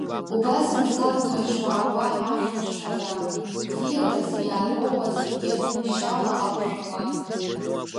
Убас мацароума ишаауа ашәлашараа, бзиарас иаароуа зегьы шьала ахә шәауа?